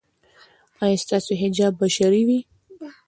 ایا ستاسو حجاب به شرعي وي؟